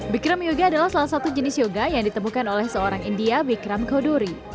bikram yoga adalah salah satu jenis yoga yang ditemukan oleh seorang india bikram koduri